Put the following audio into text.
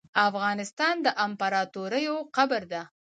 افغانستان د امپراتوریو قبر ده .